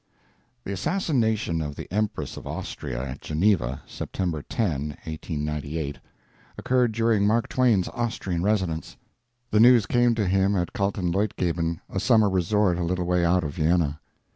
—The assassination of the Empress of Austria at Geneva, September 10, 1898, occurred during Mark Twain's Austrian residence. The news came to him at Kaltenleutgeben, a summer resort a little way out of Vienna.